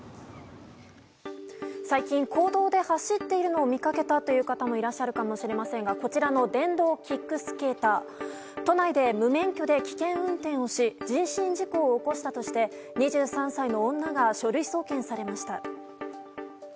最近公道で走っているのを見かけたという方もいらっしゃるかもしれませんがこちらの電動キックスケーター都内で危険運転をし人身事故を起こしたとして２３歳の女が書類送検されました。